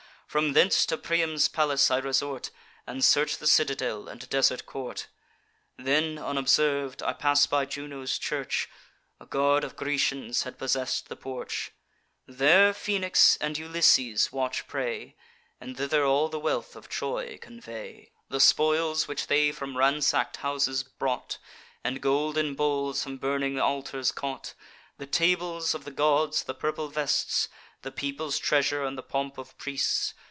From thence to Priam's palace I resort, And search the citadel and desert court. Then, unobserv'd, I pass by Juno's church: A guard of Grecians had possess'd the porch; There Phoenix and Ulysses watch the prey, And thither all the wealth of Troy convey: The spoils which they from ransack'd houses brought, And golden bowls from burning altars caught, The tables of the gods, the purple vests, The people's treasure, and the pomp of priests.